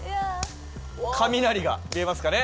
雷が見えますかね？